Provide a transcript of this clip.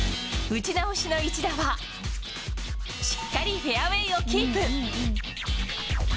打ち直しの一打は、しっかりフェアウエーをキープ。